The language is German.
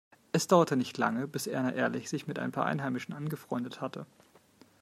Es dauerte nicht lange, bis Erna Ehrlich sich mit ein paar Einheimischen angefreundet hatte.